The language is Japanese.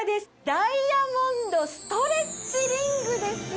ダイヤモンドストレッチリングです。